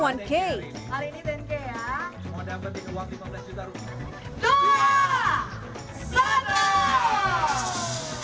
semoga dapat dikeluar lima belas juta rupiah